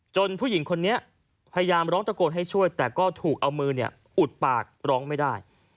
ผู้หญิงคนนี้พยายามร้องตะโกนให้ช่วยแต่ก็ถูกเอามืออุดปากร้องไม่ได้